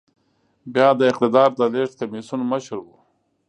بيا د اقتدار د لېږد کميسيون مشر و.